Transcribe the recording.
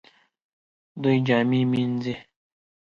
دوی جامې مینځي